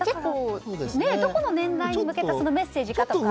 どこの年代に向けたメッセージかとか。